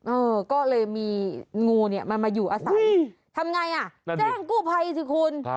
เออก็เลยมีงูมาอยู่อาศัยทำยังไงแจ้งกู้ภัยสิคุณ